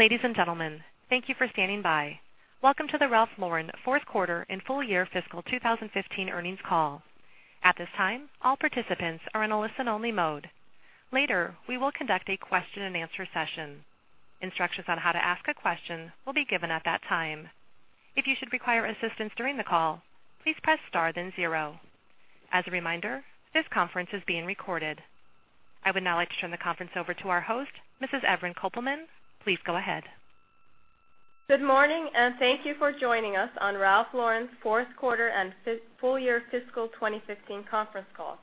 Ladies and gentlemen, thank you for standing by. Welcome to the Ralph Lauren fourth quarter and full year fiscal 2015 earnings call. At this time, all participants are in a listen-only mode. Later, we will conduct a question-and-answer session. Instructions on how to ask a question will be given at that time. If you should require assistance during the call, please press star then zero. As a reminder, this conference is being recorded. I would now like to turn the conference over to our host, Mrs. Evren Kopelman. Please go ahead. Good morning. Thank you for joining us on Ralph Lauren's fourth quarter and full-year fiscal 2015 conference call.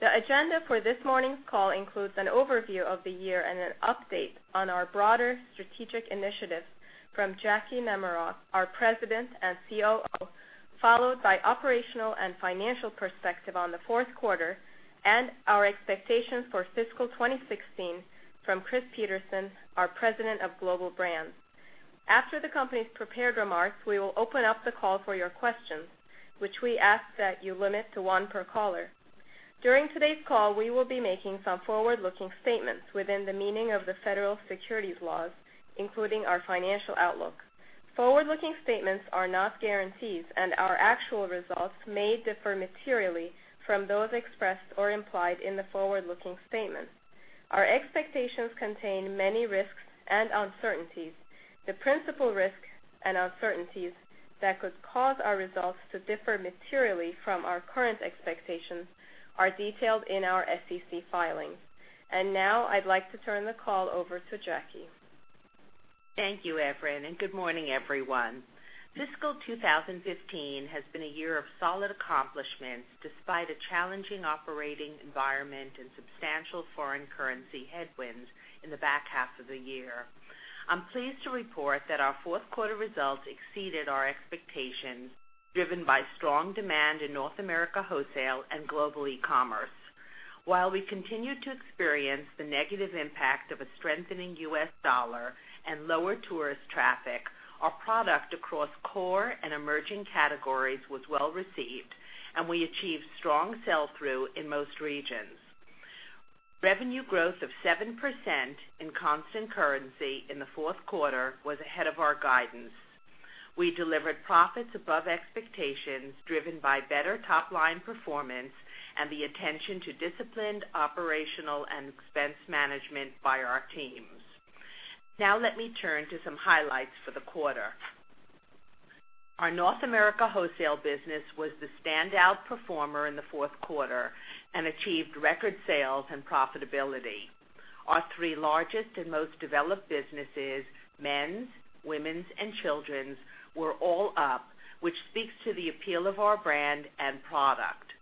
The agenda for this morning's call includes an overview of the year and an update on our broader strategic initiatives from Jackwyn Nemerov, our President and COO, followed by operational and financial perspective on the fourth quarter and our expectations for fiscal 2016 from Christopher Peterson, our President of Global Brands. After the company's prepared remarks, we will open up the call for your questions, which we ask that you limit to one per caller. During today's call, we will be making some forward-looking statements within the meaning of the federal securities laws, including our financial outlook. Forward-looking statements are not guarantees. Our actual results may differ materially from those expressed or implied in the forward-looking statement. Our expectations contain many risks and uncertainties. The principal risks and uncertainties that could cause our results to differ materially from our current expectations are detailed in our SEC filings. Now I'd like to turn the call over to Jackie. Thank you, Evren. Good morning, everyone. Fiscal 2015 has been a year of solid accomplishments despite a challenging operating environment and substantial foreign currency headwinds in the back half of the year. I'm pleased to report that our fourth quarter results exceeded our expectations, driven by strong demand in North America wholesale and global e-commerce. While we continued to experience the negative impact of a strengthening U.S. dollar and lower tourist traffic, our product across core and emerging categories was well-received, and we achieved strong sell-through in most regions. Revenue growth of 7% in constant currency in the fourth quarter was ahead of our guidance. We delivered profits above expectations, driven by better top-line performance and the attention to disciplined operational and expense management by our teams. Now let me turn to some highlights for the quarter. Our North America wholesale business was the standout performer in the fourth quarter and achieved record sales and profitability. Our three largest and most developed businesses, men's, women's, and children's, were all up, which speaks to the appeal of our brand and product.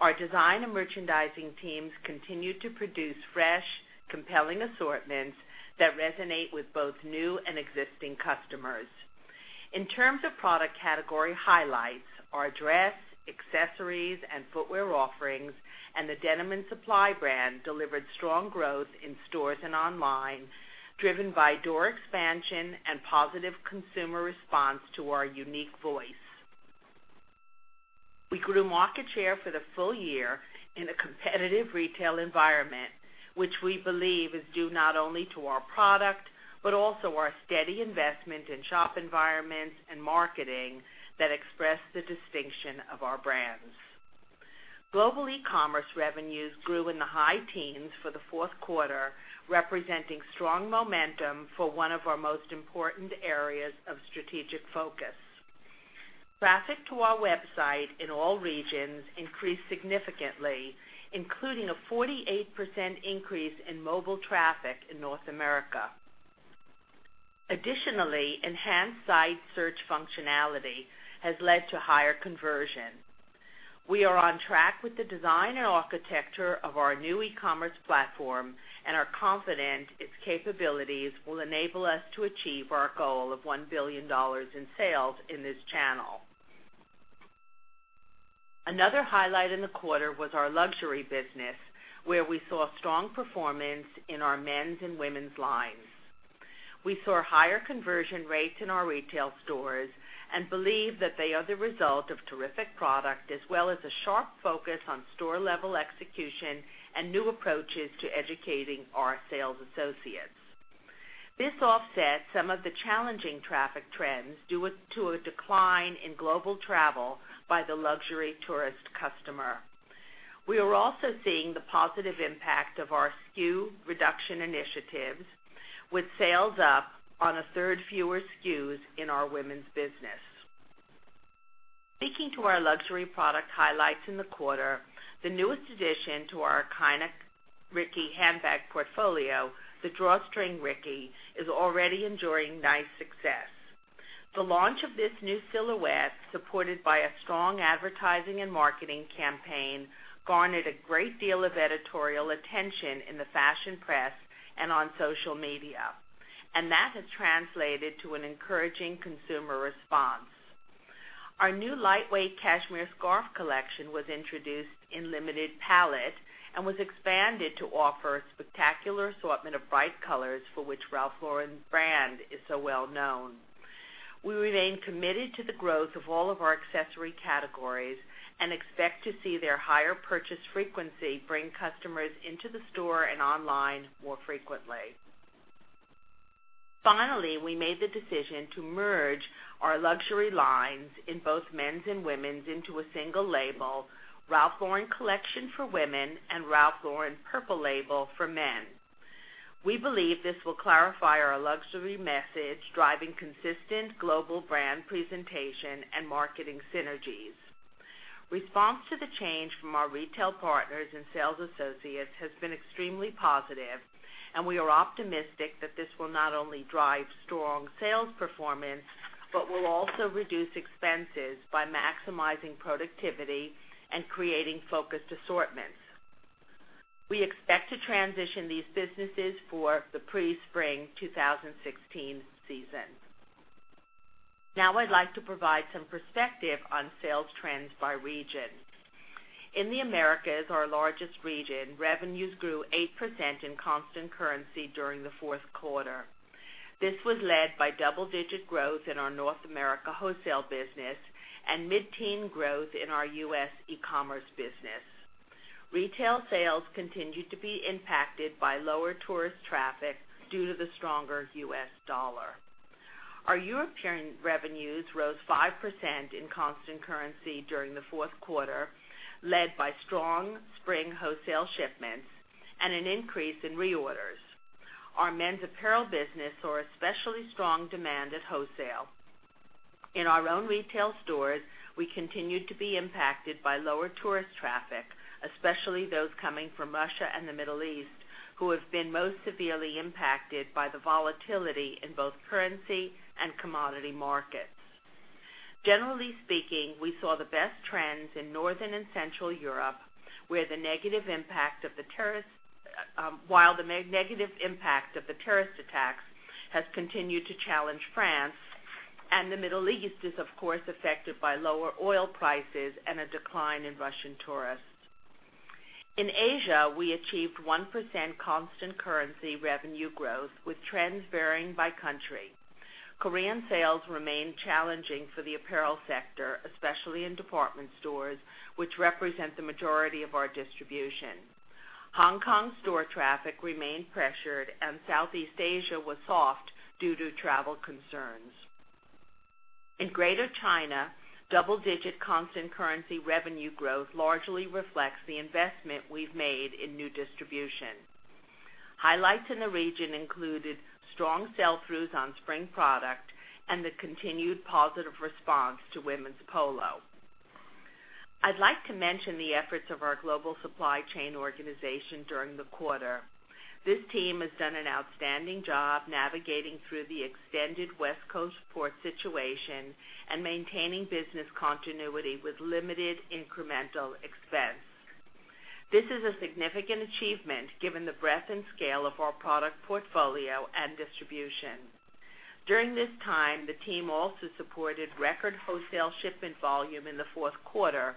Our design and merchandising teams continued to produce fresh, compelling assortments that resonate with both new and existing customers. In terms of product category highlights, our dress, accessories, and footwear offerings and the Denim & Supply brand delivered strong growth in stores and online, driven by door expansion and positive consumer response to our unique voice. We grew market share for the full year in a competitive retail environment, which we believe is due not only to our product, but also our steady investment in shop environments and marketing that express the distinction of our brands. Global e-commerce revenues grew in the high teens for the fourth quarter, representing strong momentum for one of our most important areas of strategic focus. Traffic to our website in all regions increased significantly, including a 48% increase in mobile traffic in North America. Additionally, enhanced site search functionality has led to higher conversion. We are on track with the design and architecture of our new e-commerce platform and are confident its capabilities will enable us to achieve our goal of $1 billion in sales in this channel. Another highlight in the quarter was our luxury business, where we saw strong performance in our men's and women's lines. We saw higher conversion rates in our retail stores and believe that they are the result of terrific product as well as a sharp focus on store-level execution and new approaches to educating our sales associates. This offset some of the challenging traffic trends due to a decline in global travel by the luxury tourist customer. We are also seeing the positive impact of our SKU reduction initiatives, with sales up on a third fewer SKUs in our women's business. Speaking to our luxury product highlights in the quarter, the newest addition to our iconic Ricky handbag portfolio, the Drawstring Ricky, is already enjoying nice success. The launch of this new silhouette, supported by a strong advertising and marketing campaign, garnered a great deal of editorial attention in the fashion press and on social media. That has translated to an encouraging consumer response. Our new lightweight cashmere scarf collection was introduced in limited palette and was expanded to offer a spectacular assortment of bright colors for which Ralph Lauren's brand is so well known. We remain committed to the growth of all of our accessory categories and expect to see their higher purchase frequency bring customers into the store and online more frequently. Finally, we made the decision to merge our luxury lines in both men's and women's into a single label, Ralph Lauren Collection for women and Ralph Lauren Purple Label for men. We believe this will clarify our luxury message, driving consistent global brand presentation and marketing synergies. Response to the change from our retail partners and sales associates has been extremely positive. We are optimistic that this will not only drive strong sales performance, but will also reduce expenses by maximizing productivity and creating focused assortments. We expect to transition these businesses for the pre-spring 2016 season. Now I'd like to provide some perspective on sales trends by region. In the Americas, our largest region, revenues grew 8% in constant currency during the fourth quarter. This was led by double-digit growth in our North America wholesale business and mid-teen growth in our U.S. e-commerce business. Retail sales continued to be impacted by lower tourist traffic due to the stronger U.S. dollar. Our European revenues rose 5% in constant currency during the fourth quarter, led by strong spring wholesale shipments and an increase in reorders. Our men's apparel business saw especially strong demand at wholesale. In our own retail stores, we continued to be impacted by lower tourist traffic, especially those coming from Russia and the Middle East, who have been most severely impacted by the volatility in both currency and commodity markets. Generally speaking, we saw the best trends in Northern and Central Europe, while the negative impact of the terrorist attacks has continued to challenge France. The Middle East is, of course, affected by lower oil prices and a decline in Russian tourists. In Asia, we achieved 1% constant currency revenue growth, with trends varying by country. Korean sales remained challenging for the apparel sector, especially in department stores, which represent the majority of our distribution. Hong Kong store traffic remained pressured, and Southeast Asia was soft due to travel concerns. In Greater China, double-digit constant currency revenue growth largely reflects the investment we've made in new distribution. Highlights in the region included strong sell-throughs on spring product and the continued positive response to Women's Polo. I'd like to mention the efforts of our global supply chain organization during the quarter. This team has done an outstanding job navigating through the extended West Coast port situation and maintaining business continuity with limited incremental expense. This is a significant achievement given the breadth and scale of our product portfolio and distribution. During this time, the team also supported record wholesale shipment volume in the fourth quarter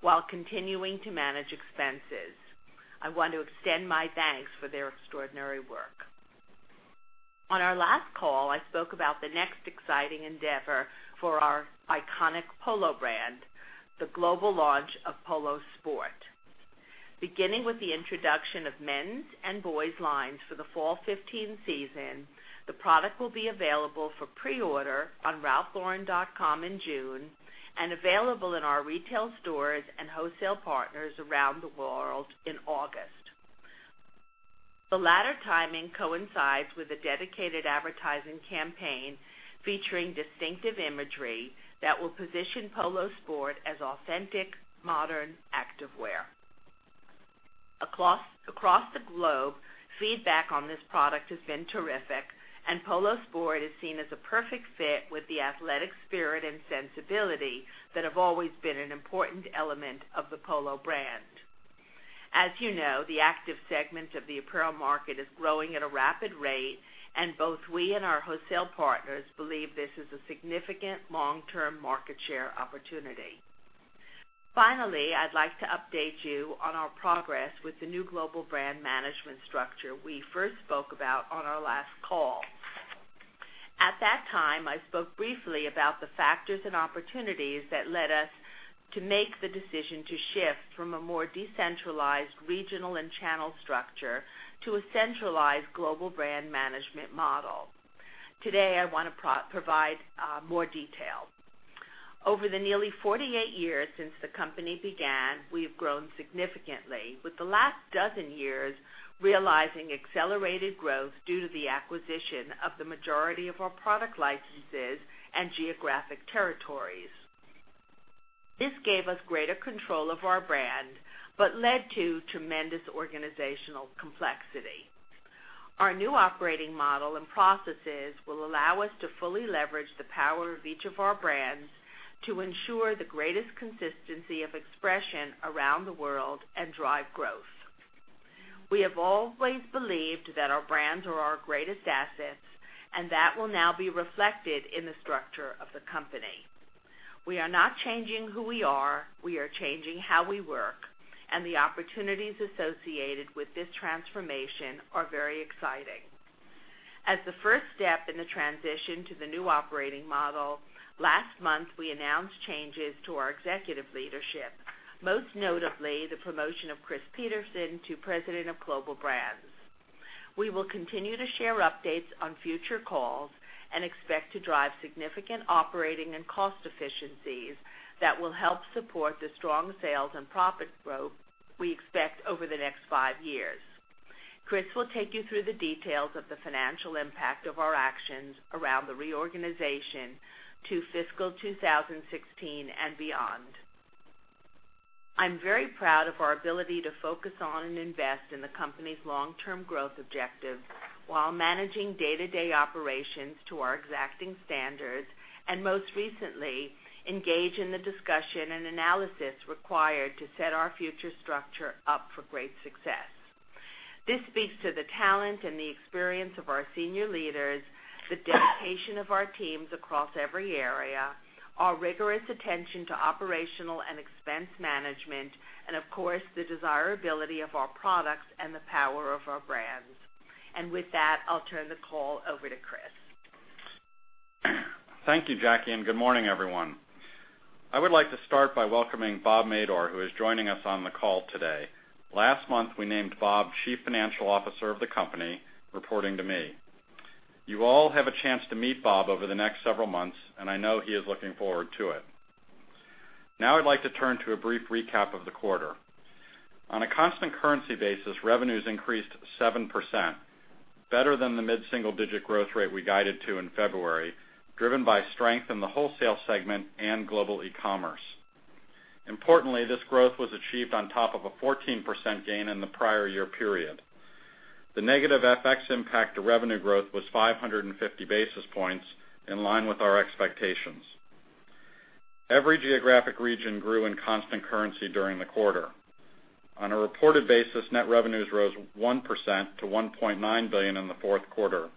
while continuing to manage expenses. I want to extend my thanks for their extraordinary work. On our last call, I spoke about the next exciting endeavor for our iconic Polo brand, the global launch of Polo Sport. Beginning with the introduction of men's and boys' lines for the fall 2015 season, the product will be available for pre-order on ralphlauren.com in June and available in our retail stores and wholesale partners around the world in August. The latter timing coincides with a dedicated advertising campaign featuring distinctive imagery that will position Polo Sport as authentic modern activewear. Across the globe, feedback on this product has been terrific, and Polo Sport is seen as a perfect fit with the athletic spirit and sensibility that have always been an important element of the Polo brand. As you know, the active segment of the apparel market is growing at a rapid rate, and both we and our wholesale partners believe this is a significant long-term market share opportunity. Finally, I'd like to update you on our progress with the new global brand management structure we first spoke about on our last call. At that time, I spoke briefly about the factors and opportunities that led us to make the decision to shift from a more decentralized regional and channel structure to a centralized global brand management model. Today, I want to provide more detail. Over the nearly 48 years since the company began, we have grown significantly, with the last dozen years realizing accelerated growth due to the acquisition of the majority of our product licenses and geographic territories. This gave us greater control of our brand, but led to tremendous organizational complexity. Our new operating model and processes will allow us to fully leverage the power of each of our brands to ensure the greatest consistency of expression around the world and drive growth. We have always believed that our brands are our greatest assets, and that will now be reflected in the structure of the company. We are not changing who we are, we are changing how we work, and the opportunities associated with this transformation are very exciting. As the first step in the transition to the new operating model, last month, we announced changes to our executive leadership, most notably the promotion of Christopher Peterson to President of Global Brands. We will continue to share updates on future calls and expect to drive significant operating and cost efficiencies that will help support the strong sales and profit growth we expect over the next 5 years. Chris will take you through the details of the financial impact of our actions around the reorganization to fiscal 2016 and beyond. I'm very proud of our ability to focus on and invest in the company's long-term growth objectives while managing day-to-day operations to our exacting standards, and most recently, engage in the discussion and analysis required to set our future structure up for great success. This speaks to the talent and the experience of our senior leaders, the dedication of our teams across every area, our rigorous attention to operational and expense management, and of course, the desirability of our products and the power of our brands. With that, I'll turn the call over to Chris. Thank you, Jackie, and good morning, everyone. I would like to start by welcoming Robert Madore, who is joining us on the call today. Last month, we named Bob Chief Financial Officer of the company, reporting to me. You all have a chance to meet Bob over the next several months, and I know he is looking forward to it. Now I'd like to turn to a brief recap of the quarter. On a constant currency basis, revenues increased 7%, better than the mid-single-digit growth rate we guided to in February, driven by strength in the wholesale segment and global e-commerce. Importantly, this growth was achieved on top of a 14% gain in the prior year period. The negative FX impact to revenue growth was 550 basis points, in line with our expectations. Every geographic region grew in constant currency during the quarter. On a reported basis, net revenues rose 1% to $1.9 billion in the fourth quarter.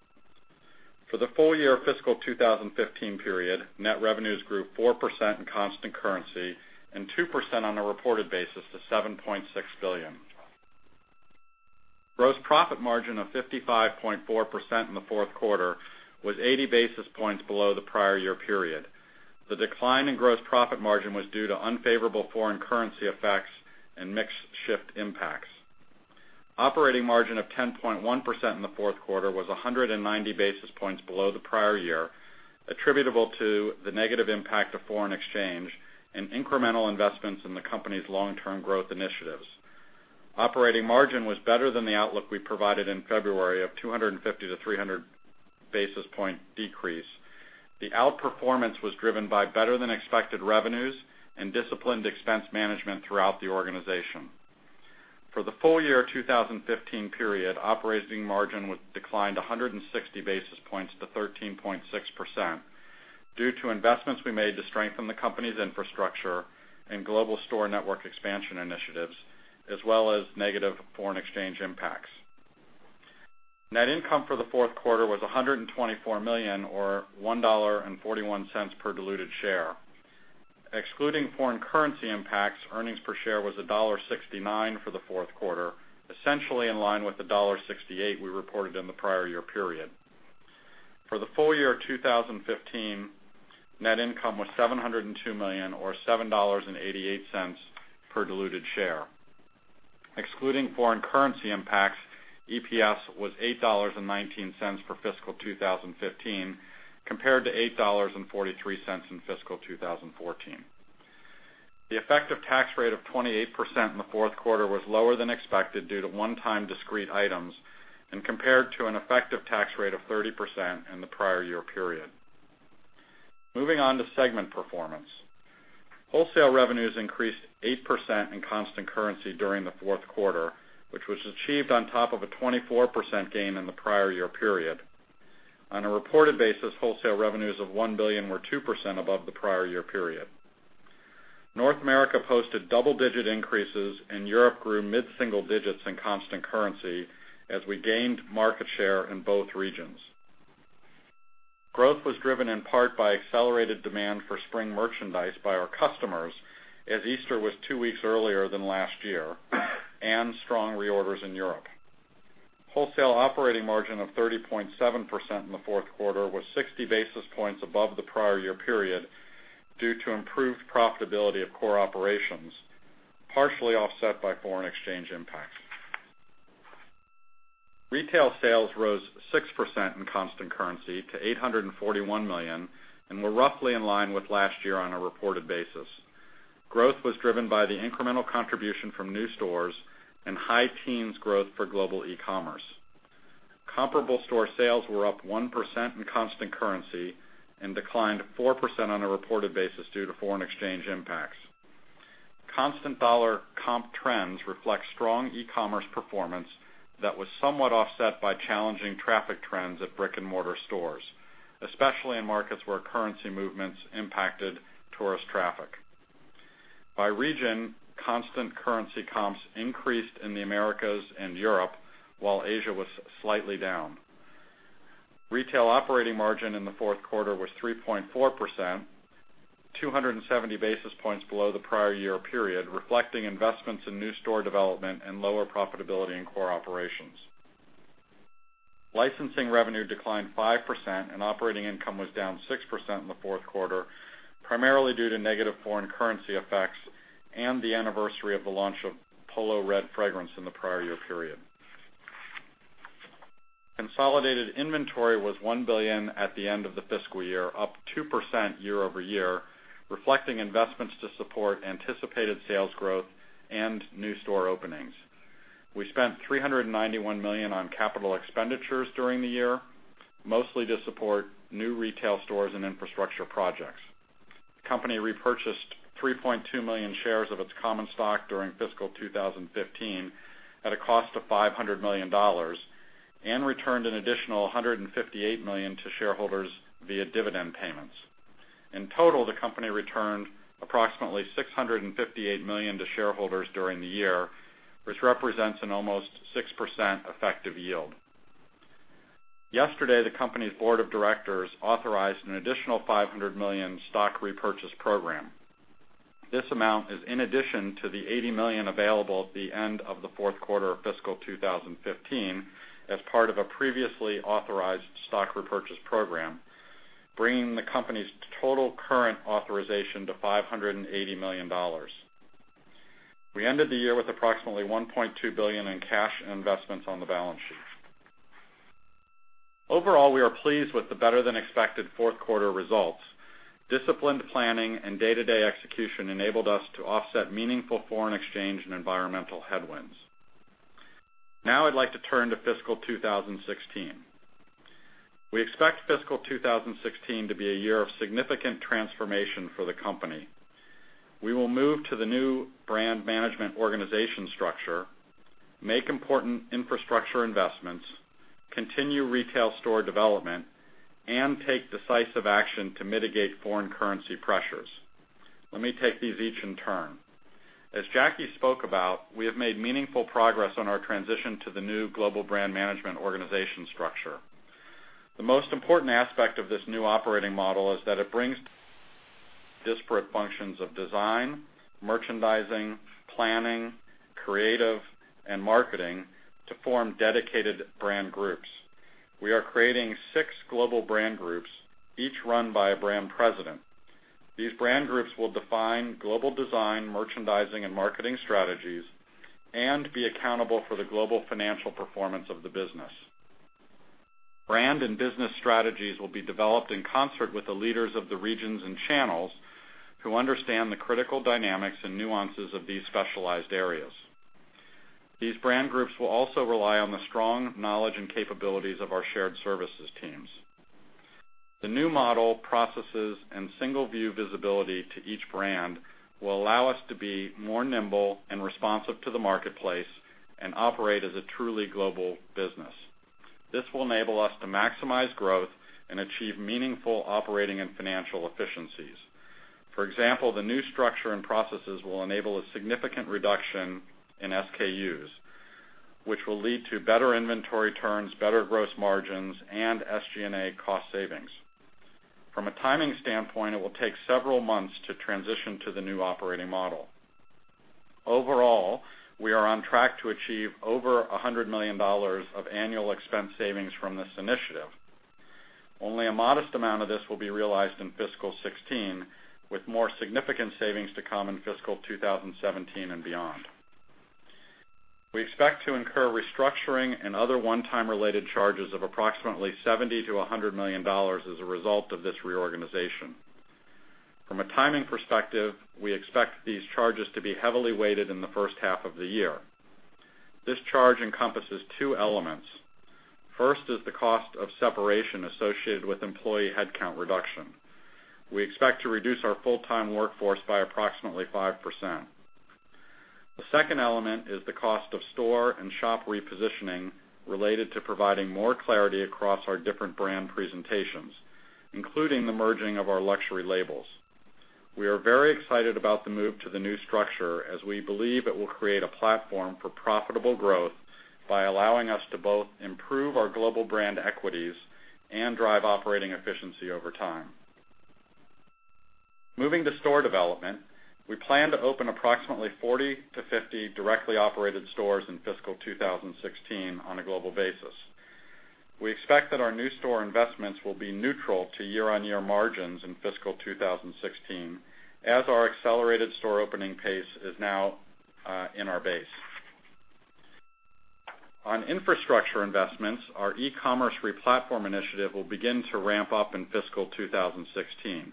For the full year fiscal 2015 period, net revenues grew 4% in constant currency and 2% on a reported basis to $7.6 billion. Gross profit margin of 55.4% in the fourth quarter was 80 basis points below the prior year period. The decline in gross profit margin was due to unfavorable foreign currency effects and mix shift impacts. Operating margin of 10.1% in the fourth quarter was 190 basis points below the prior year, attributable to the negative impact of foreign exchange and incremental investments in the company's long-term growth initiatives. Operating margin was better than the outlook we provided in February of 250 to 300 basis point decrease. The outperformance was driven by better than expected revenues and disciplined expense management throughout the organization. For the full year 2015 period, operating margin declined 160 basis points to 13.6% due to investments we made to strengthen the company's infrastructure and global store network expansion initiatives, as well as negative foreign exchange impacts. Net income for the fourth quarter was $124 million, or $1.41 per diluted share. Excluding foreign currency impacts, earnings per share was $1.69 for the fourth quarter, essentially in line with the $1.68 we reported in the prior year period. For the full year 2015, net income was $702 million, or $7.88 per diluted share. Excluding foreign currency impacts, EPS was $8.19 for fiscal 2015, compared to $8.43 in fiscal 2014. The effective tax rate of 28% in the fourth quarter was lower than expected due to one-time discrete items and compared to an effective tax rate of 30% in the prior year period. Moving on to segment performance. Wholesale revenues increased 8% in constant currency during the fourth quarter, which was achieved on top of a 24% gain in the prior year period. On a reported basis, wholesale revenues of $1 billion were 2% above the prior year period. North America posted double-digit increases and Europe grew mid-single digits in constant currency as we gained market share in both regions. Growth was driven in part by accelerated demand for spring merchandise by our customers, as Easter was two weeks earlier than last year, and strong reorders in Europe. Wholesale operating margin of 30.7% in the fourth quarter was 60 basis points above the prior year period due to improved profitability of core operations, partially offset by foreign exchange impacts. Retail sales rose 6% in constant currency to $841 million and were roughly in line with last year on a reported basis. Growth was driven by the incremental contribution from new stores and high teens growth for global e-commerce. Comparable store sales were up 1% in constant currency and declined 4% on a reported basis due to foreign exchange impacts. Constant dollar comp trends reflect strong e-commerce performance that was somewhat offset by challenging traffic trends at brick-and-mortar stores, especially in markets where currency movements impacted tourist traffic. By region, constant currency comps increased in the Americas and Europe, while Asia was slightly down. Retail operating margin in the fourth quarter was 3.4%, 270 basis points below the prior year period, reflecting investments in new store development and lower profitability in core operations. Licensing revenue declined 5% and operating income was down 6% in the fourth quarter, primarily due to negative foreign currency effects and the anniversary of the launch of Polo Red fragrance in the prior year period. Consolidated inventory was $1 billion at the end of the fiscal year, up 2% year-over-year, reflecting investments to support anticipated sales growth and new store openings. We spent $391 million on capital expenditures during the year, mostly to support new retail stores and infrastructure projects. The company repurchased 3.2 million shares of its common stock during fiscal 2015 at a cost of $500 million and returned an additional $158 million to shareholders via dividend payments. In total, the company returned approximately $658 million to shareholders during the year, which represents an almost 6% effective yield. Yesterday, the company's board of directors authorized an additional $500 million stock repurchase program. This amount is in addition to the $80 million available at the end of the fourth quarter of fiscal 2015 as part of a previously authorized stock repurchase program, bringing the company's total current authorization to $580 million. We ended the year with approximately $1.2 billion in cash and investments on the balance sheet. Overall, we are pleased with the better-than-expected fourth quarter results. Disciplined planning and day-to-day execution enabled us to offset meaningful foreign exchange and environmental headwinds. I'd like to turn to fiscal 2016. We expect fiscal 2016 to be a year of significant transformation for the company. We will move to the new brand management organization structure, make important infrastructure investments, continue retail store development, and take decisive action to mitigate foreign currency pressures. Let me take these each in turn. As Jackie spoke about, we have made meaningful progress on our transition to the new global brand management organization structure. The most important aspect of this new operating model is that it brings disparate functions of design, merchandising, planning, creative, and marketing to form dedicated brand groups. We are creating six global brand groups, each run by a brand president. These brand groups will define global design, merchandising, and marketing strategies and be accountable for the global financial performance of the business. Brand and business strategies will be developed in concert with the leaders of the regions and channels who understand the critical dynamics and nuances of these specialized areas. These brand groups will also rely on the strong knowledge and capabilities of our shared services teams. The new model, processes, and single view visibility to each brand will allow us to be more nimble and responsive to the marketplace and operate as a truly global business. This will enable us to maximize growth and achieve meaningful operating and financial efficiencies. For example, the new structure and processes will enable a significant reduction in SKUs, which will lead to better inventory turns, better gross margins, and SG&A cost savings. From a timing standpoint, it will take several months to transition to the new operating model. Overall, we are on track to achieve over $100 million of annual expense savings from this initiative. Only a modest amount of this will be realized in fiscal 2016, with more significant savings to come in fiscal 2017 and beyond. We expect to incur restructuring and other one-time related charges of approximately $70 million-$100 million as a result of this reorganization. From a timing perspective, we expect these charges to be heavily weighted in the first half of the year. This charge encompasses two elements. First is the cost of separation associated with employee headcount reduction. We expect to reduce our full-time workforce by approximately 5%. The second element is the cost of store and shop repositioning related to providing more clarity across our different brand presentations, including the merging of our luxury labels. We are very excited about the move to the new structure, as we believe it will create a platform for profitable growth by allowing us to both improve our global brand equities and drive operating efficiency over time. Moving to store development, we plan to open approximately 40 to 50 directly operated stores in fiscal 2016 on a global basis. We expect that our new store investments will be neutral to year-on-year margins in fiscal 2016, as our accelerated store opening pace is now in our base. On infrastructure investments, our e-commerce replatform initiative will begin to ramp up in fiscal 2016.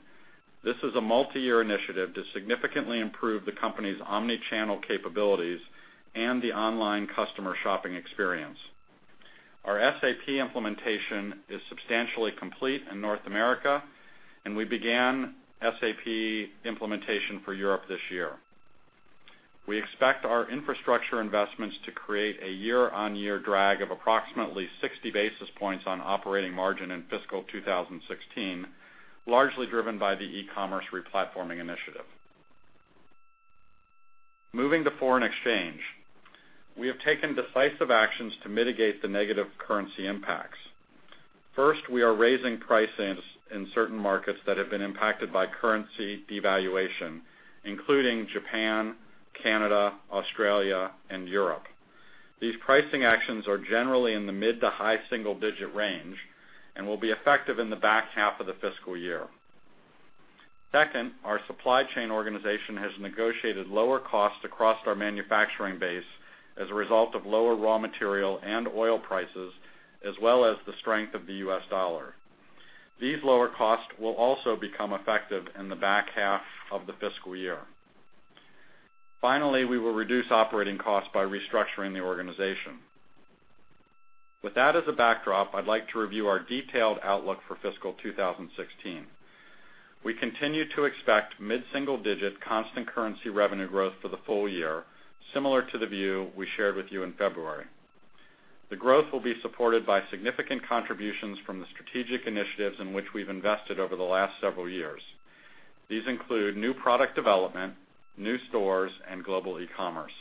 This is a multi-year initiative to significantly improve the company's omni-channel capabilities and the online customer shopping experience. Our SAP implementation is substantially complete in North America, and we began SAP implementation for Europe this year. We expect our infrastructure investments to create a year-on-year drag of approximately 60 basis points on operating margin in fiscal 2016, largely driven by the e-commerce replatforming initiative. Moving to foreign exchange. We have taken decisive actions to mitigate the negative currency impacts. First, we are raising prices in certain markets that have been impacted by currency devaluation, including Japan, Canada, Australia, and Europe. These pricing actions are generally in the mid to high single-digit range and will be effective in the back half of the fiscal year. Second, our supply chain organization has negotiated lower costs across our manufacturing base as a result of lower raw material and oil prices, as well as the strength of the US dollar. These lower costs will also become effective in the back half of the fiscal year. Finally, we will reduce operating costs by restructuring the organization. With that as a backdrop, I'd like to review our detailed outlook for fiscal 2016. We continue to expect mid-single-digit constant currency revenue growth for the full year, similar to the view we shared with you in February. The growth will be supported by significant contributions from the strategic initiatives in which we've invested over the last several years. These include new product development, new stores, and global e-commerce.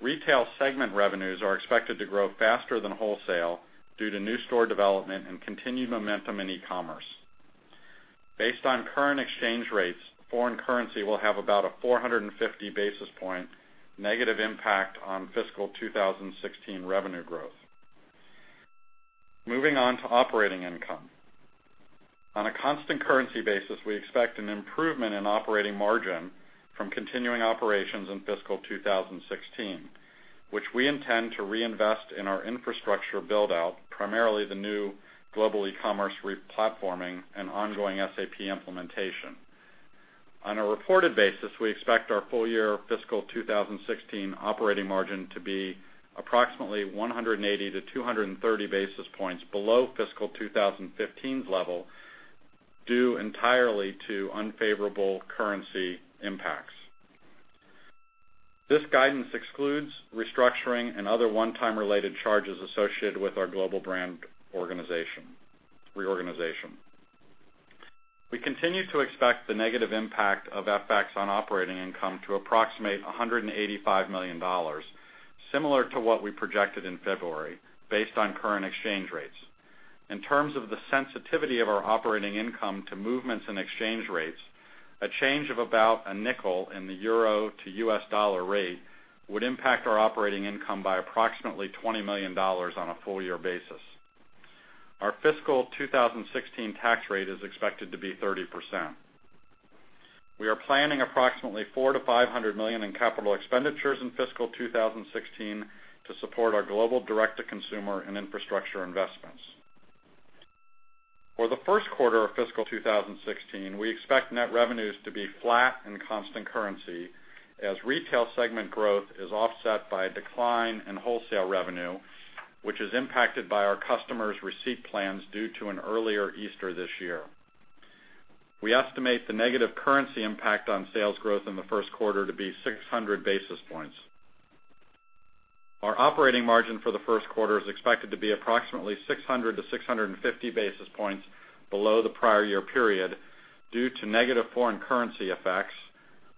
Retail segment revenues are expected to grow faster than wholesale due to new store development and continued momentum in e-commerce. Based on current exchange rates, foreign currency will have about a 450 basis point negative impact on fiscal 2016 revenue growth. Moving on to operating income. On a constant currency basis, we expect an improvement in operating margin from continuing operations in fiscal 2016, which we intend to reinvest in our infrastructure build-out, primarily the new global e-commerce re-platforming and ongoing SAP implementation. On a reported basis, we expect our full-year fiscal 2016 operating margin to be approximately 180 to 230 basis points below fiscal 2015's level, due entirely to unfavorable currency impacts. This guidance excludes restructuring and other one-time related charges associated with our global brand reorganization. We continue to expect the negative impact of FX on operating income to approximate $185 million, similar to what we projected in February, based on current exchange rates. In terms of the sensitivity of our operating income to movements in exchange rates, a change of about a $0.05 in the euro to U.S. dollar rate would impact our operating income by approximately $20 million on a full-year basis. Our fiscal 2016 tax rate is expected to be 30%. We are planning approximately $400 million-$500 million in capital expenditures in fiscal 2016 to support our global direct-to-consumer and infrastructure investments. For the first quarter of fiscal 2016, we expect net revenues to be flat in constant currency as retail segment growth is offset by a decline in wholesale revenue, which is impacted by our customers' receipt plans due to an earlier Easter this year. We estimate the negative currency impact on sales growth in the first quarter to be 600 basis points. Our operating margin for the first quarter is expected to be approximately 600-650 basis points below the prior year period due to negative foreign currency effects,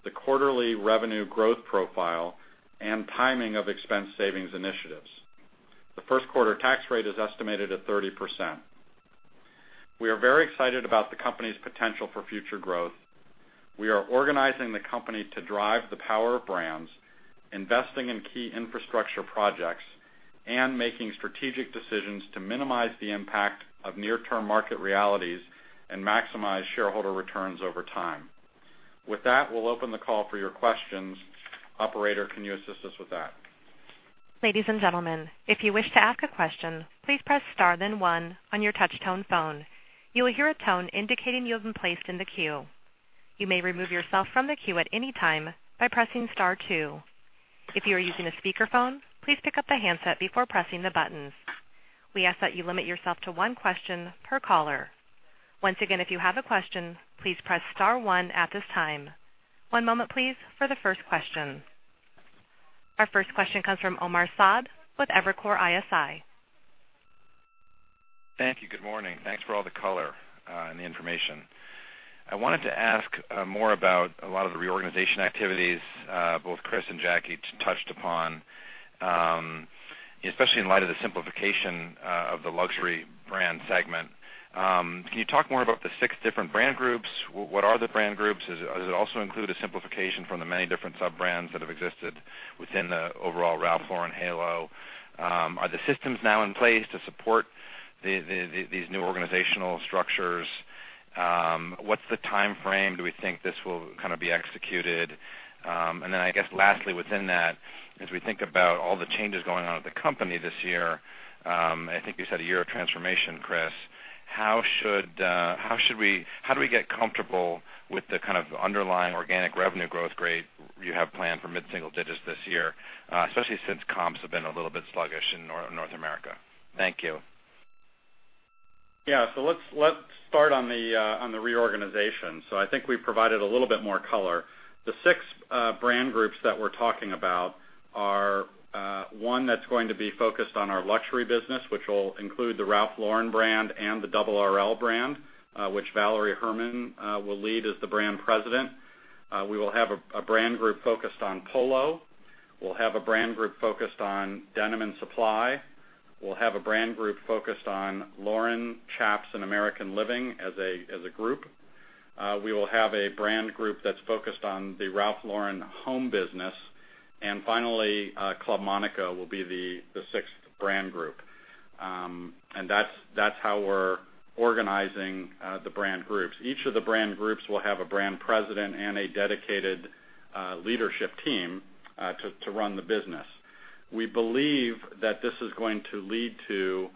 the quarterly revenue growth profile, and timing of expense savings initiatives. The first quarter tax rate is estimated at 30%. We are very excited about the company's potential for future growth. We are organizing the company to drive the power of brands, investing in key infrastructure projects, and making strategic decisions to minimize the impact of near-term market realities and maximize shareholder returns over time. With that, we'll open the call for your questions. Operator, can you assist us with that? Ladies and gentlemen, if you wish to ask a question, please press star then one on your touchtone phone. You will hear a tone indicating you have been placed in the queue. You may remove yourself from the queue at any time by pressing star two. If you are using a speakerphone, please pick up the handset before pressing the buttons. We ask that you limit yourself to one question per caller. Once again, if you have a question, please press star one at this time. One moment, please, for the first question. Our first question comes from Omar Saad with Evercore ISI. Thank you. Good morning. Thanks for all the color and the information. I wanted to ask more about a lot of the reorganization activities both Chris and Jackie touched upon, especially in light of the simplification of the luxury brand segment. Can you talk more about the six different brand groups? What are the brand groups? Does it also include a simplification from the many different sub-brands that have existed within the overall Ralph Lauren halo? Are the systems now in place to support these new organizational structures? What's the timeframe do we think this will be executed? I guess lastly within that, as we think about all the changes going on at the company this year, I think you said a year of transformation, Chris. How do we get comfortable with the kind of underlying organic revenue growth rate you have planned for mid-single digits this year, especially since comps have been a little bit sluggish in North America? Thank you. Let's start on the reorganization. I think we provided a little bit more color. The six brand groups that we're talking about are one that's going to be focused on our luxury business, which will include the Ralph Lauren brand and the Double RL brand, which Valérie Hermann will lead as the brand president. We will have a brand group focused on Polo. We'll have a brand group focused on Denim & Supply. We'll have a brand group focused on Lauren, Chaps, and American Living as a group. We will have a brand group that's focused on the Ralph Lauren Home business, and finally, Club Monaco will be the sixth brand group. That's how we're organizing the brand groups. Each of the brand groups will have a brand president and a dedicated leadership team to run the business. We believe that this is going to lead to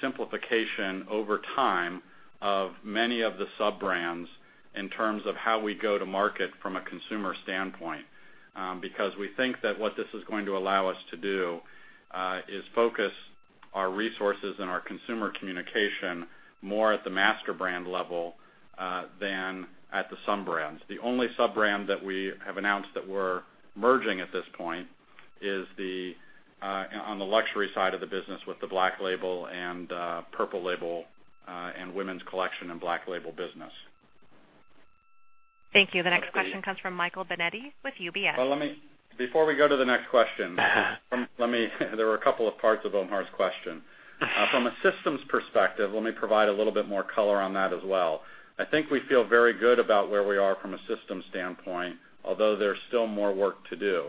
simplification over time of many of the sub-brands, in terms of how we go to market from a consumer standpoint, because we think that what this is going to allow us to do is focus our resources and our consumer communication more at the master brand level than at the sub-brands. The only sub-brand that we have announced that we're merging at this point is on the luxury side of the business with the Black Label and Purple Label, and Women's Collection and Black Label business. Thank you. The next question comes from Michael Binetti with UBS. Before we go to the next question, there were a couple of parts of Omar's question. From a systems perspective, let me provide a little bit more color on that as well. I think we feel very good about where we are from a systems standpoint, although there's still more work to do.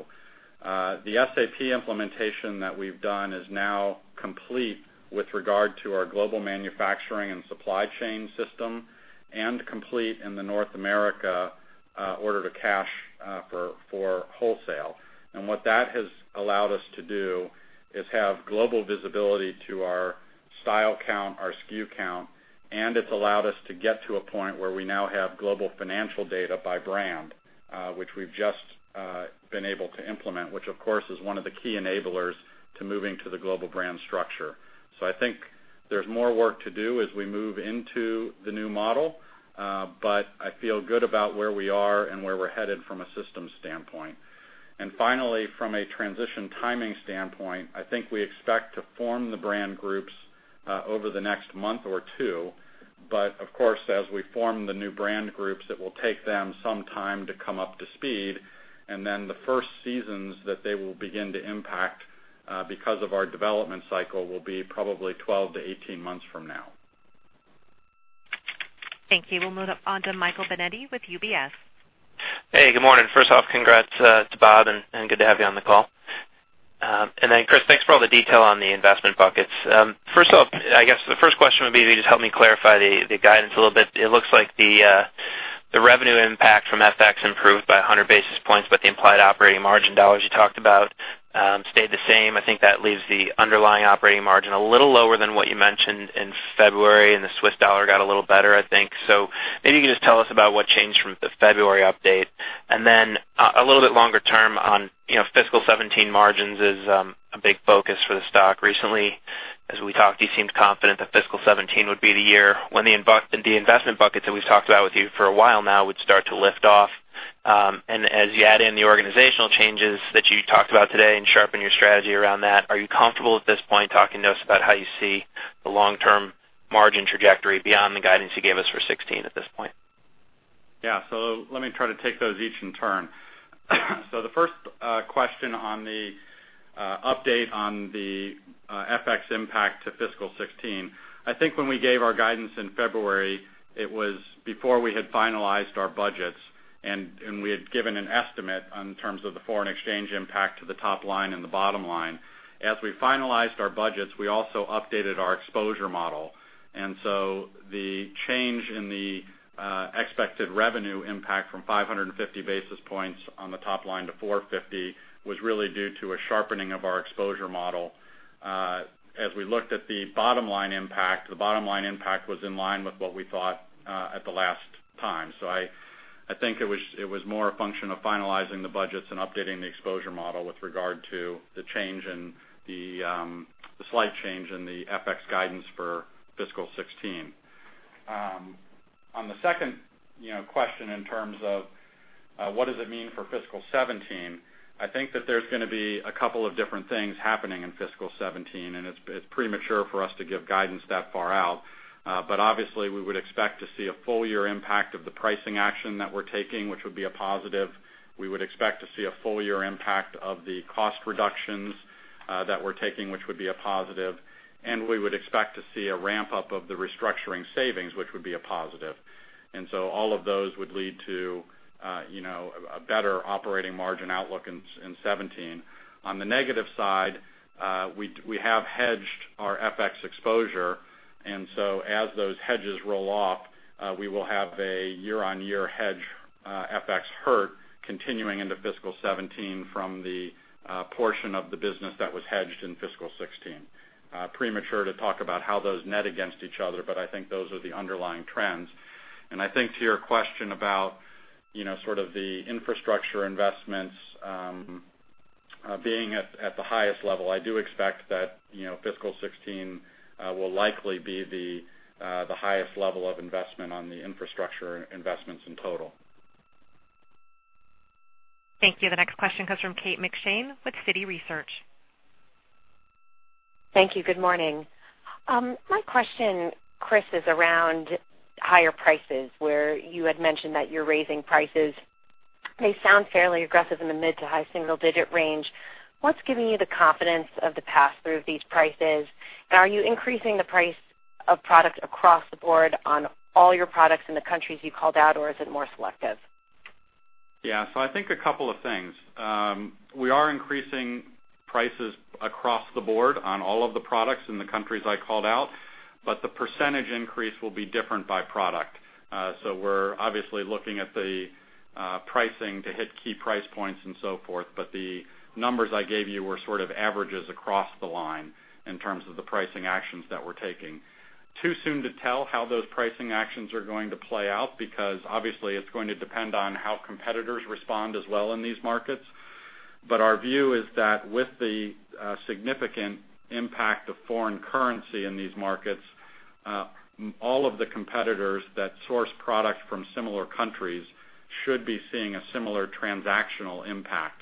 The SAP implementation that we've done is now complete with regard to our global manufacturing and supply chain system, and complete in the North America order to cash for wholesale. What that has allowed us to do is have global visibility to our style count, our SKU count, and it's allowed us to get to a point where we now have global financial data by brand, which we've just been able to implement, which of course is one of the key enablers to moving to the global brand structure. I think there's more work to do as we move into the new model, but I feel good about where we are and where we're headed from a systems standpoint. Finally, from a transition timing standpoint, I think we expect to form the brand groups over the next month or two. Of course, as we form the new brand groups, it will take them some time to come up to speed. Then the first seasons that they will begin to impact because of our development cycle will be probably 12 to 18 months from now. Thank you. We'll move up onto Michael Binetti with UBS. Hey, good morning. First off, congrats to Bob, and good to have you on the call. Then Chris, thanks for all the detail on the investment buckets. First off, I guess the first question would be if you could just help me clarify the guidance a little bit. It looks like the revenue impact from FX improved by 100 basis points, the implied operating margin dollars you talked about stayed the same. I think that leaves the underlying operating margin a little lower than what you mentioned in February, the Swiss dollar got a little better, I think. Maybe you can just tell us about what changed from the February update. Then, a little bit longer term on fiscal 2017 margins is a big focus for the stock. Recently, as we talked, you seemed confident that fiscal 2017 would be the year when the investment buckets that we've talked about with you for a while now would start to lift off. As you add in the organizational changes that you talked about today and sharpen your strategy around that, are you comfortable at this point talking to us about how you see the long-term margin trajectory beyond the guidance you gave us for 2016 at this point? Yeah. Let me try to take those each in turn. The first question on the update on the FX impact to fiscal 2016. I think when we gave our guidance in February, it was before we had finalized our budgets, and we had given an estimate in terms of the foreign exchange impact to the top line and the bottom line. As we finalized our budgets, we also updated our exposure model. The change in the expected revenue impact from 550 basis points on the top line to 450 was really due to a sharpening of our exposure model. As we looked at the bottom line impact, the bottom line impact was in line with what we thought at the last time. I think it was more a function of finalizing the budgets and updating the exposure model with regard to the slight change in the FX guidance for fiscal 2016. On the second question, in terms of what does it mean for fiscal 2017, I think that there's going to be a couple of different things happening in fiscal 2017, and it's premature for us to give guidance that far out. Obviously, we would expect to see a full-year impact of the pricing action that we're taking, which would be a positive. We would expect to see a full-year impact of the cost reductions that we're taking, which would be a positive. We would expect to see a ramp-up of the restructuring savings, which would be a positive. All of those would lead to a better operating margin outlook in 2017. On the negative side, we have hedged our FX exposure. As those hedges roll off, we will have a year-on-year hedge FX hurt continuing into fiscal 2017 from the portion of the business that was hedged in fiscal 2016. Premature to talk about how those net against each other, I think those are the underlying trends. I think to your question about sort of the infrastructure investments being at the highest level, I do expect that fiscal 2016 will likely be the highest level of investment on the infrastructure investments in total. Thank you. The next question comes from Kate McShane with Citi Research. Thank you. Good morning. My question, Chris, is around higher prices, where you had mentioned that you're raising prices They sound fairly aggressive in the mid to high single-digit range. What's giving you the confidence of the pass-through of these prices? Are you increasing the price of products across the board on all your products in the countries you called out, or is it more selective? Yeah. I think a couple of things. We are increasing prices across the board on all of the products in the countries I called out, but the percentage increase will be different by product. We're obviously looking at the pricing to hit key price points and so forth. The numbers I gave you were sort of averages across the line in terms of the pricing actions that we're taking. Too soon to tell how those pricing actions are going to play out because obviously it's going to depend on how competitors respond as well in these markets. Our view is that with the significant impact of foreign currency in these markets, all of the competitors that source products from similar countries should be seeing a similar transactional impact.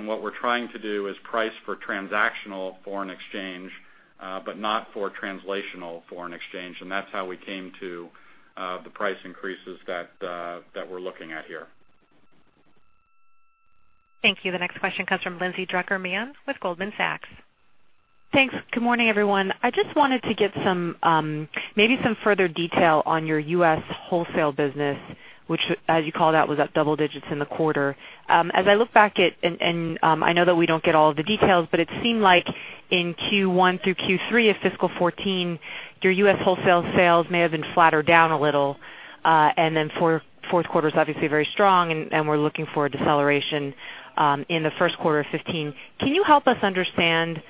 What we're trying to do is price for transactional foreign exchange, but not for translational foreign exchange. That's how we came to the price increases that we're looking at here. Thank you. The next question comes from Lindsay Drucker Mann with Goldman Sachs. Thanks. Good morning, everyone. I just wanted to get maybe some further detail on your U.S. wholesale business, which, as you called out, was up double digits in the quarter. As I look back at, and I know that we don't get all of the details, but it seemed like in Q1 through Q3 of fiscal 2014, your U.S. wholesale sales may have been flat or down a little. Then fourth quarter's obviously very strong, and we're looking for a deceleration in the first quarter of 2015. Can you help us understand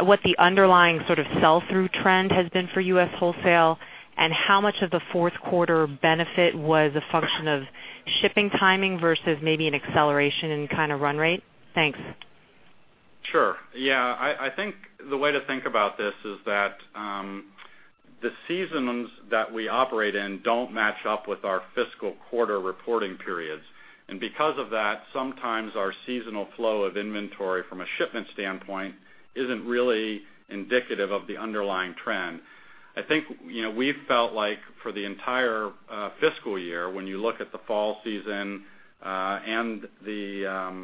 what the underlying sort of sell-through trend has been for U.S. wholesale, and how much of the fourth quarter benefit was a function of shipping timing versus maybe an acceleration in kind of run rate? Thanks. Sure. Yeah. I think the way to think about this is that the seasons that we operate in don't match up with our fiscal quarter reporting periods. Because of that, sometimes our seasonal flow of inventory from a shipment standpoint isn't really indicative of the underlying trend. I think, we've felt like for the entire fiscal year, when you look at the fall season, and the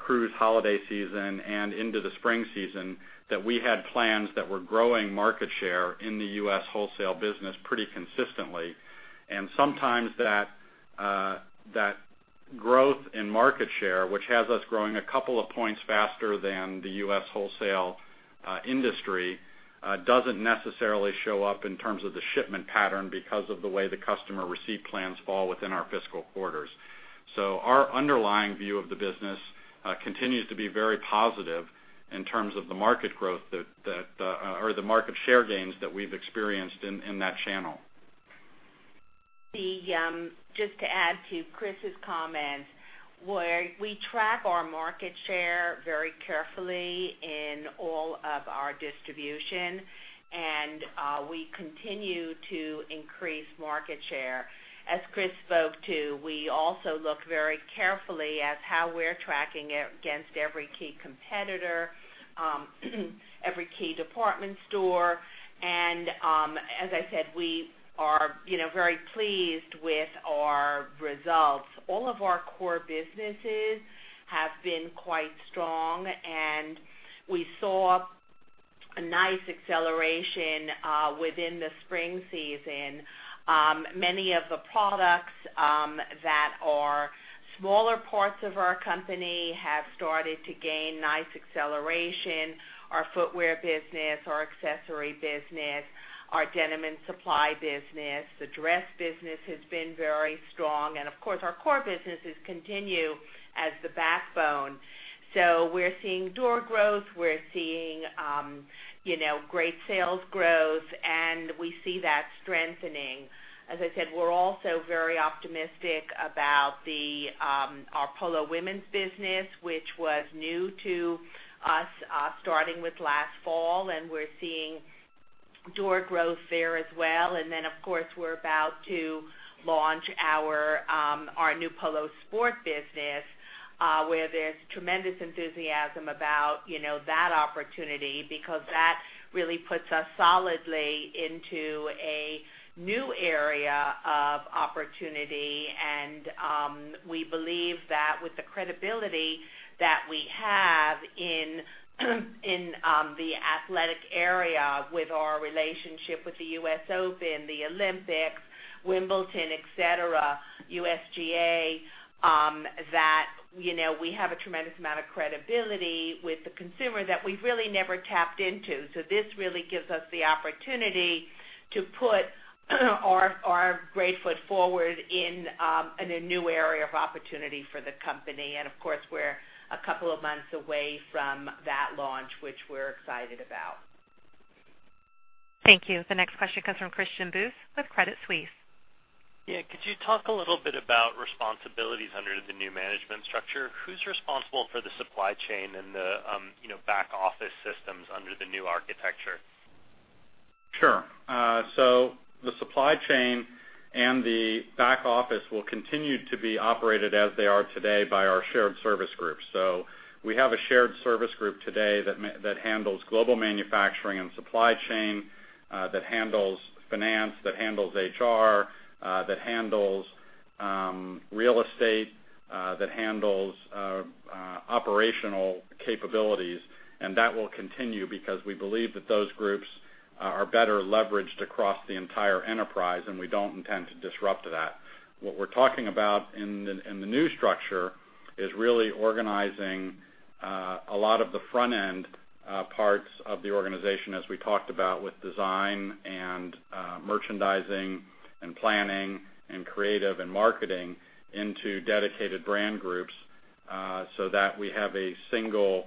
cruise holiday season, and into the spring season, that we had plans that were growing market share in the U.S. wholesale business pretty consistently. Sometimes that growth in market share, which has us growing a couple of points faster than the U.S. wholesale industry, doesn't necessarily show up in terms of the shipment pattern because of the way the customer receipt plans fall within our fiscal quarters. Our underlying view of the business continues to be very positive in terms of the market growth or the market share gains that we've experienced in that channel. Just to add to Chris's comments, where we track our market share very carefully in all of our distribution. We continue to increase market share. As Chris spoke to, we also look very carefully at how we're tracking against every key competitor, every key department store, and, as I said, we are very pleased with our results. All of our core businesses have been quite strong, and we saw a nice acceleration within the spring season. Many of the products that are smaller parts of our company have started to gain nice acceleration. Our footwear business, our accessory business, our Denim & Supply business. The dress business has been very strong, and of course, our core businesses continue as the backbone. We're seeing door growth, we're seeing great sales growth, and we see that strengthening. As I said, we're also very optimistic about our Polo Women's business, which was new to us starting with last fall, and we're seeing door growth there as well. Then, of course, we're about to launch our new Polo Sport business, where there's tremendous enthusiasm about that opportunity because that really puts us solidly into a new area of opportunity. We believe that with the credibility that we have in the athletic area with our relationship with the US Open, the Olympics, Wimbledon, et cetera, USGA, that we have a tremendous amount of credibility with the consumer that we've really never tapped into. This really gives us the opportunity to put our great foot forward in a new area of opportunity for the company. Of course, we're a couple of months away from that launch, which we're excited about. Thank you. The next question comes from Christian Buss with Credit Suisse. Yeah. Could you talk a little bit about responsibilities under the new management structure? Who's responsible for the supply chain and the back-office systems under the new architecture? Sure. The supply chain and the back office will continue to be operated as they are today by our shared service group. We have a shared service group today that handles global manufacturing and supply chain, that handles finance, that handles HR, that handles real estate that handles operational capabilities. That will continue because we believe that those groups are better leveraged across the entire enterprise, and we don't intend to disrupt that. What we're talking about in the new structure is really organizing a lot of the front-end parts of the organization, as we talked about with design and merchandising and planning and creative and marketing into dedicated brand groups, so that we have a single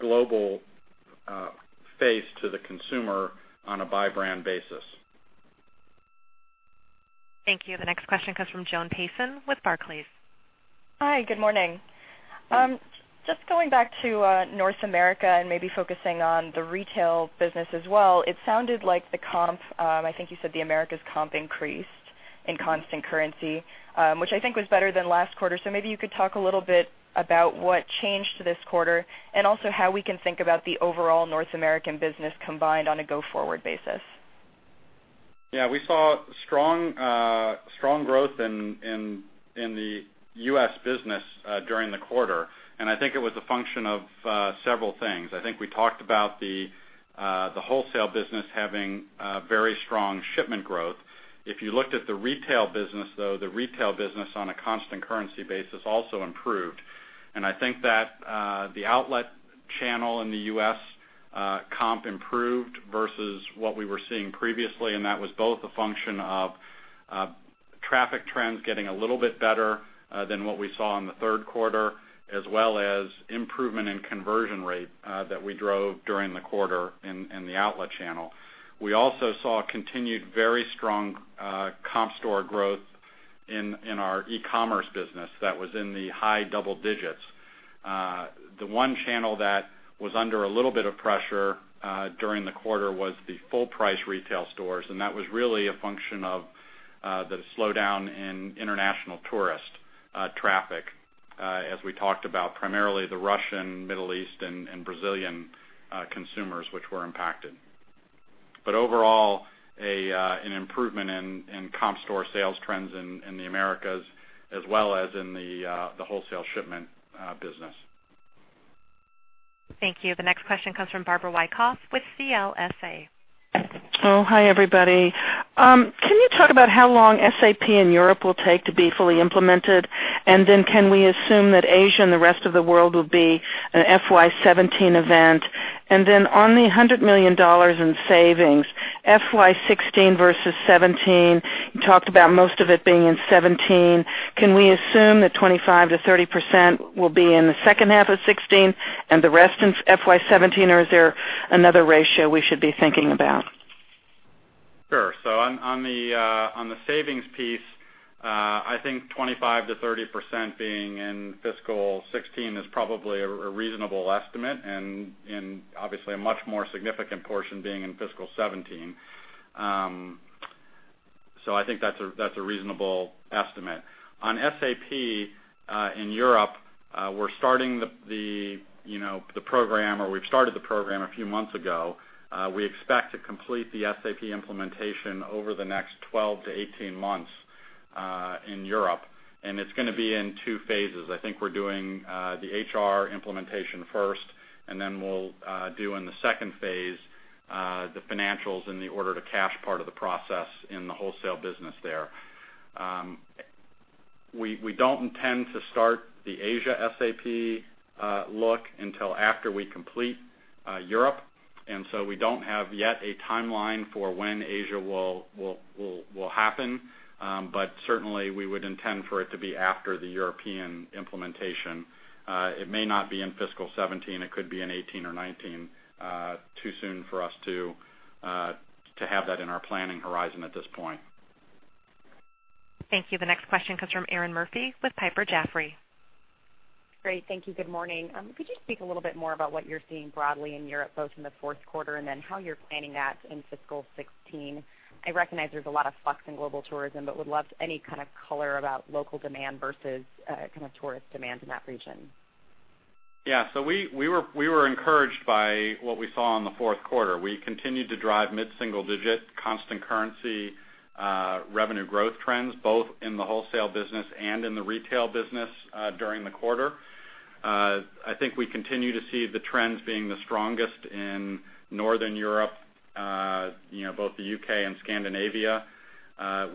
global face to the consumer on a buy brand basis. Thank you. The next question comes from Joan Payson with Barclays. Hi, good morning. Just going back to North America and maybe focusing on the retail business as well. It sounded like the comp, I think you said the Americas comp increased in constant currency, which I think was better than last quarter. Maybe you could talk a little bit about what changed this quarter and also how we can think about the overall North American business combined on a go-forward basis. Yeah, we saw strong growth in the U.S. business during the quarter, and I think it was a function of several things. I think we talked about the wholesale business having very strong shipment growth. If you looked at the retail business, though, the retail business, on a constant currency basis, also improved. I think that the outlet channel in the U.S. comp improved versus what we were seeing previously, and that was both a function of traffic trends getting a little bit better than what we saw in the third quarter, as well as improvement in conversion rate that we drove during the quarter in the outlet channel. We also saw continued very strong comp store growth in our e-commerce business that was in the high double digits. The one channel that was under a little bit of pressure during the quarter was the full-price retail stores, and that was really a function of the slowdown in international tourist traffic, as we talked about, primarily the Russian, Middle East, and Brazilian consumers, which were impacted. Overall, an improvement in comp store sales trends in the Americas as well as in the wholesale shipment business. Thank you. The next question comes from Barbara Wyckoff with CLSA. Oh, hi, everybody. Can you talk about how long SAP in Europe will take to be fully implemented? Can we assume that Asia and the rest of the world will be an FY 2017 event? On the $100 million in savings, FY 2016 versus 2017, you talked about most of it being in 2017. Can we assume that 25%-30% will be in the second half of 2016 and the rest in FY 2017, or is there another ratio we should be thinking about? Sure. On the savings piece, I think 25%-30% being in fiscal 2016 is probably a reasonable estimate, and obviously a much more significant portion being in fiscal 2017. I think that's a reasonable estimate. On SAP in Europe, we're starting the program, or we've started the program a few months ago. We expect to complete the SAP implementation over the next 12-18 months in Europe, and it's going to be in two phases. I think we're doing the HR implementation first, and then we'll do in the second phase, the financials and the order-to-cash part of the process in the wholesale business there. We don't intend to start the Asia SAP look until after we complete Europe. We don't have yet a timeline for when Asia will happen. Certainly, we would intend for it to be after the European implementation. It may not be in fiscal 2017. It could be in 2018 or 2019. Too soon for us to have that in our planning horizon at this point. Thank you. The next question comes from Erinn Murphy with Piper Jaffray. Great. Thank you. Good morning. Could you speak a little bit more about what you're seeing broadly in Europe, both in the fourth quarter and how you're planning that in fiscal 2016? I recognize there's a lot of flux in global tourism, would love any kind of color about local demand versus tourist demand in that region. We were encouraged by what we saw in the fourth quarter. We continued to drive mid-single-digit constant currency revenue growth trends, both in the wholesale business and in the retail business during the quarter. I think we continue to see the trends being the strongest in Northern Europe, both the U.K. and Scandinavia.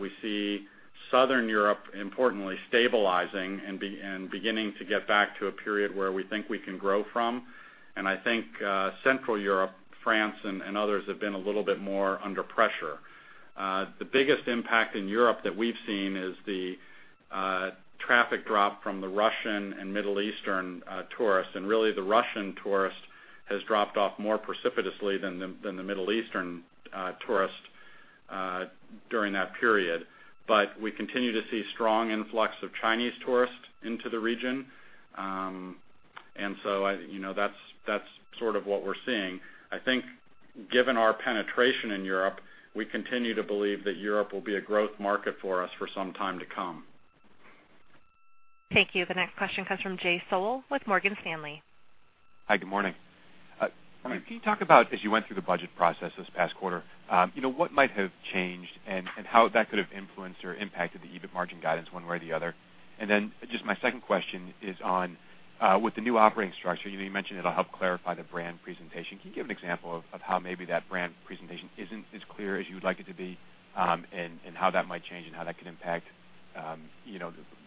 We see Southern Europe, importantly, stabilizing and beginning to get back to a period where we think we can grow from. I think Central Europe, France, and others have been a little bit more under pressure. The biggest impact in Europe that we've seen is the traffic drop from the Russian and Middle Eastern tourists, and really the Russian tourist has dropped off more precipitously than the Middle Eastern tourist during that period. We continue to see strong influx of Chinese tourists into the region. That's sort of what we're seeing. I think given our penetration in Europe, we continue to believe that Europe will be a growth market for us for some time to come. Thank you. The next question comes from Jay Sole with Morgan Stanley. Hi, good morning. Hi. Can you talk about as you went through the budget process this past quarter, what might have changed and how that could have influenced or impacted the EBIT margin guidance one way or the other? Just my second question is on, with the new operating structure, you mentioned it'll help clarify the brand presentation. Can you give an example of how maybe that brand presentation isn't as clear as you would like it to be? How that might change, and how that could impact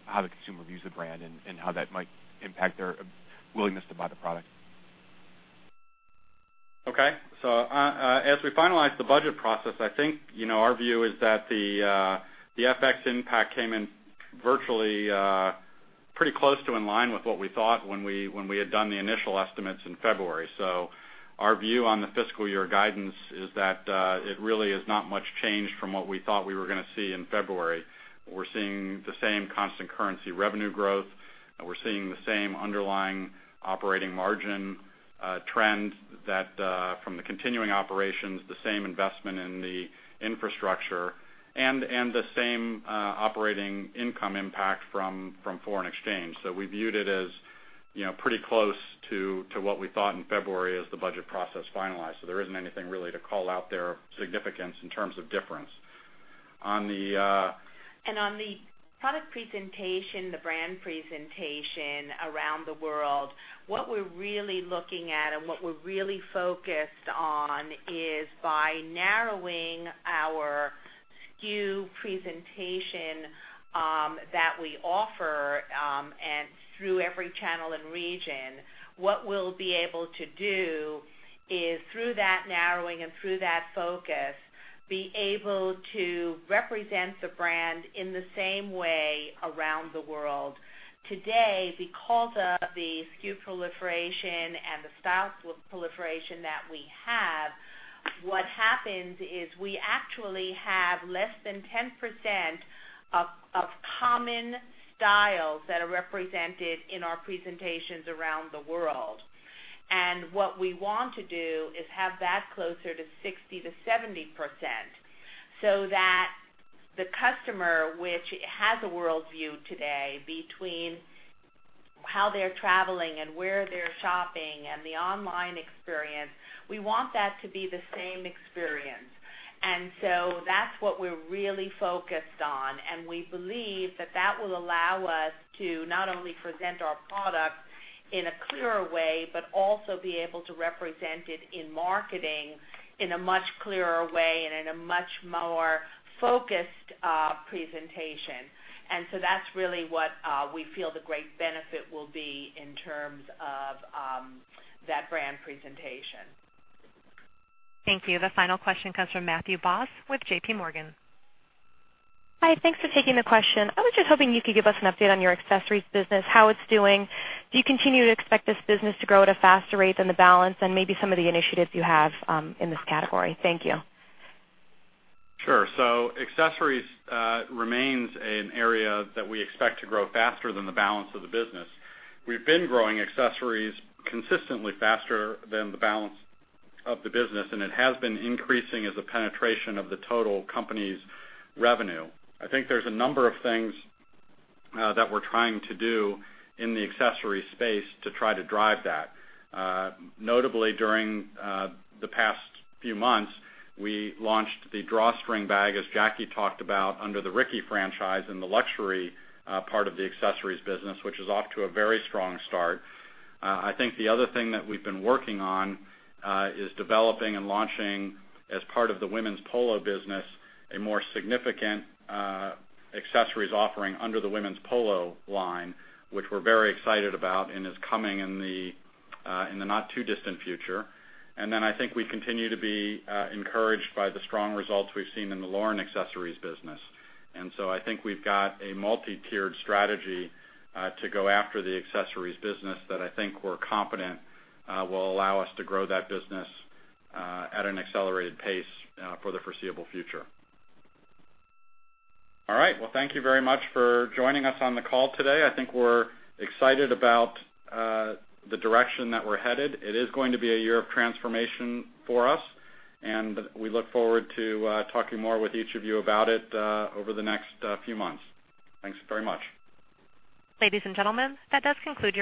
how the consumer views the brand, and how that might impact their willingness to buy the product. Okay. As we finalize the budget process, I think, our view is that the FX impact came in virtually pretty close to in line with what we thought when we had done the initial estimates in February. Our view on the fiscal year guidance is that it really is not much changed from what we thought we were going to see in February. We're seeing the same constant currency revenue growth, and we're seeing the same underlying operating margin trends from the continuing operations, the same investment in the infrastructure, and the same operating income impact from foreign exchange. We viewed it as pretty close to what we thought in February as the budget process finalized. There isn't anything really to call out there of significance in terms of difference. On the product presentation, the brand presentation around the world, what we're really looking at and what we're really focused on is by narrowing our SKU presentation that we offer through every channel and region. What we'll be able to do is through that narrowing and through that focus, be able to represent the brand in the same way around the world. Today, because of the SKU proliferation and the style proliferation that we have, what happens is we actually have less than 10% of common styles that are represented in our presentations around the world. What we want to do is have that closer to 60%-70%, so that the customer, which has a worldview today between how they're traveling and where they're shopping and the online experience, we want that to be the same experience. That's what we're really focused on, and we believe that that will allow us to not only present our product in a clearer way, but also be able to represent it in marketing in a much clearer way and in a much more focused presentation. That's really what we feel the great benefit will be in terms of that brand presentation. Thank you. The final question comes from Matthew Boss with JPMorgan. Hi, thanks for taking the question. I was just hoping you could give us an update on your accessories business, how it's doing. Do you continue to expect this business to grow at a faster rate than the balance and maybe some of the initiatives you have in this category? Thank you. Sure. Accessories remains an area that we expect to grow faster than the balance of the business. We've been growing accessories consistently faster than the balance of the business, and it has been increasing as a penetration of the total company's revenue. I think there's a number of things that we're trying to do in the accessories space to try to drive that. Notably, during the past few months, we launched the Drawstring Ricky, as Jackwyn talked about, under the Ricky franchise in the luxury part of the accessories business, which is off to a very strong start. I think the other thing that we've been working on is developing and launching, as part of the Women's Polo business, a more significant accessories offering under the Women's Polo line, which we're very excited about and is coming in the not-too-distant future. I think we continue to be encouraged by the strong results we've seen in the Lauren accessories business. I think we've got a multi-tiered strategy to go after the accessories business that I think we're confident will allow us to grow that business at an accelerated pace for the foreseeable future. All right. Well, thank you very much for joining us on the call today. I think we're excited about the direction that we're headed. It is going to be a year of transformation for us, and we look forward to talking more with each of you about it over the next few months. Thanks very much. Ladies and gentlemen, that does conclude.